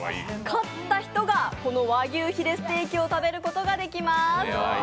勝った人が、和牛ヒレステーキを食べることができます。